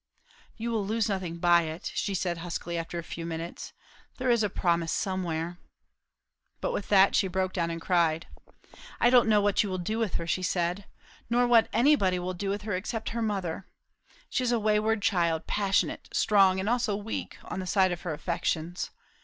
"You will lose nothing by it," she said huskily after a few minutes. "There is a promise somewhere " But with that she broke down and cried. "I don't know what you will do with her!" she said; "nor what anybody will do with her, except her mother. She is a wayward child; passionate; strong, and also weak, on the side of her affections.